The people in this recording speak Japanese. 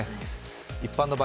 一般の場合